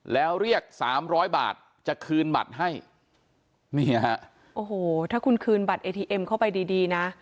แล้วเรียกสามร้อยบาทจะคืนบัตรให้นี่ฮะโอ้โหถ้าคุณคืนบัตรเอทีเอ็มเข้าไปดีดีนะ